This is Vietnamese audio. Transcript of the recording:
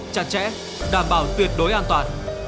chặt chẽ đảm bảo tuyệt đối an toàn